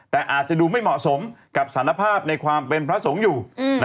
แต่อาจจะดูไม่เหมาะสมกับสารภาพในความเป็นพระสงฆ์อยู่